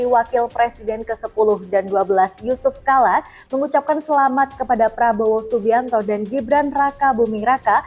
wakil presiden ke sepuluh dan ke dua belas yusuf kala mengucapkan selamat kepada prabowo subianto dan gibran raka buming raka